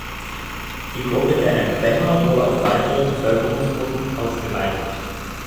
Die Gruppe der Empfänger wurde auf weitere Bevölkerungsgruppen ausgeweitet.